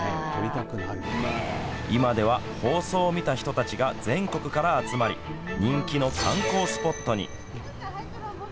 今では、放送を見た人たちが全国から集まり人気の観光スポットに。